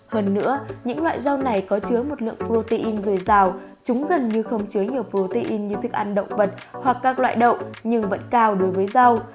hơn nữa những loại rau này có chứa một lượng protein dồi dào chúng gần như không chứa nhiều protein như thức ăn động vật hoặc các loại đậu nhưng vẫn cao đối với rau